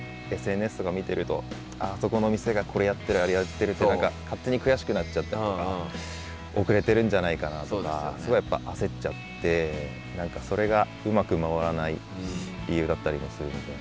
ＳＮＳとか見てるとあそこのお店がこれやってるあれやってるって何か勝手に悔しくなっちゃったりとか遅れてるんじゃないかなとかすごいやっぱ焦っちゃってそれがうまく回らない理由だったりもするんで。